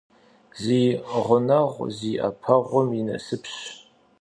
Зи гъунэгъу зи Iэпэгъум и насыпщ.